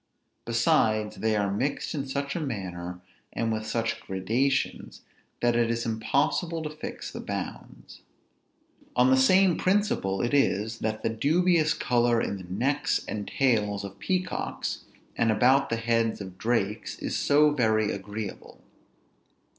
Besides, they are mixed in such a manner, and with such gradations, that it is impossible to fix the bounds. On the same principle it is that the dubious color in the necks and tails of peacocks, and about the heads of drakes, is so very agreeable.